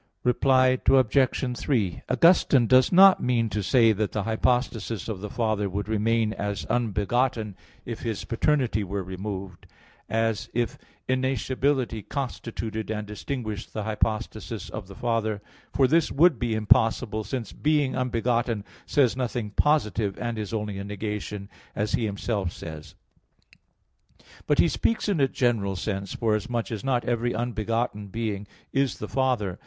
Reply Obj. 3: Augustine does not mean to say that the hypostasis of the Father would remain as unbegotten, if His paternity were removed, as if innascibility constituted and distinguished the hypostasis of the Father; for this would be impossible, since "being unbegotten" says nothing positive and is only a negation, as he himself says. But he speaks in a general sense, forasmuch as not every unbegotten being is the Father.